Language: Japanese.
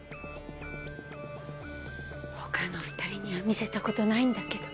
他の２人には見せたことないんだけど。